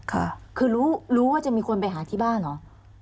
ค่ะคือรู้รู้ว่าจะมีคนไปหาที่บ้านเหรอ